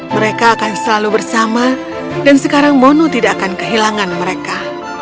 mereka akan selalu bersama dan sekarang mono tidak akan kehilangan mereka